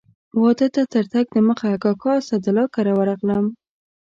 واده ته تر تګ دمخه کاکا اسدالله کره ورغلم.